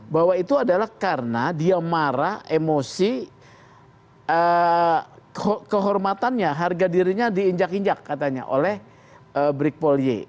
bahwa itu adalah karena dia marah emosi kehormatannya harga dirinya diinjak injak katanya oleh brikpol y